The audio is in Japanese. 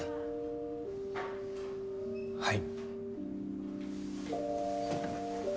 はい。